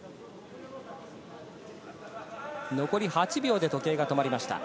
残り８秒で時計が止まりました。